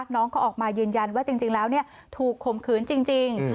น้องเขาออกมายืนยันว่าจริงแล้วถูกข่มขืนจริง